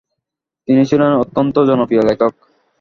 তিনি ছিলেন অত্যন্ত জনপ্রিয় লেখক।